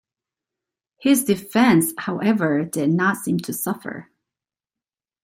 His defense, however, did not seem to suffer.